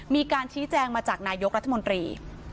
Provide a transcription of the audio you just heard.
มีการชี้แจงมาจากนายกรัฐมนตรี